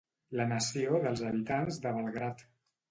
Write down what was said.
La nació dels habitants de Belgrad.